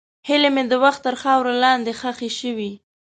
هیلې مې د وخت تر خاورو لاندې ښخې شوې.